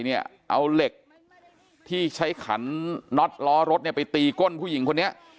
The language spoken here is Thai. เอาเหล็กที่ใช้ขันน็อตล้อรถไปตีก้นผู้หญิงคนนี้